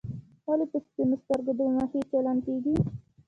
ولې په سپینو سترګو دوه مخي چلن کېږي.